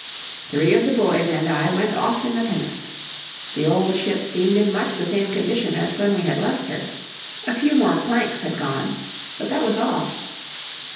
Three of the boys and I went off in the pinnace. The old ship seemed in much the same condition as when we had left her; a few more planks had gone, but that was all.